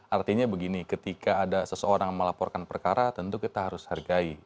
artinya begini ketika ada seseorang melaporkan perkara tentu kita harus hargai